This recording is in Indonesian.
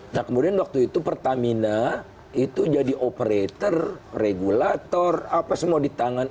nah kemudian waktu itu pertamina itu jadi operator regulator apa semua di tangan